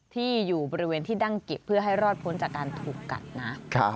ที่อยู่บริเวณที่ดั้งกิบเพื่อให้รอดพ้นจากการถูกกัดนะ